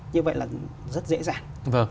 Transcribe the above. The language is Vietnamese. như vậy là rất dễ dàng